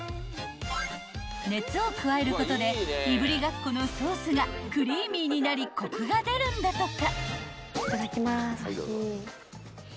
［熱を加えることでいぶりがっこのソースがクリーミーになりコクが出るんだとか］